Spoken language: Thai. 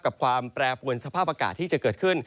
ความแปรปวนสภาพอากาศที่จะเกิดขึ้น